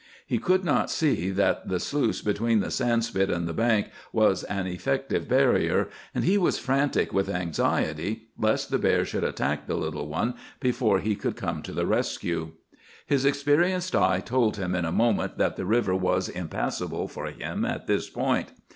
He could not see that the sluice between the sand spit and the bank was an effective barrier, and he was frantic with anxiety lest the bear should attack the little one before he could come to the rescue. His experienced eye told him in a moment that the river was impassable for him at this point.